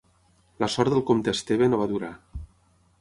La sort del comte Esteve no va durar.